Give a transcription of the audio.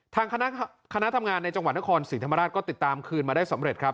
ทางคณะทำงานในจังหวัดนครศรีธรรมราชก็ติดตามคืนมาได้สำเร็จครับ